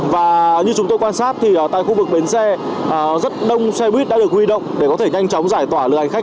và như chúng tôi quan sát thì tại khu vực bến xe rất đông xe buýt đã được huy động để có thể nhanh chóng giải tỏa lượng hành khách